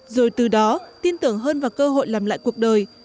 rồi từ đó tin tưởng hơn vào cơ hội làm lại cuộc đời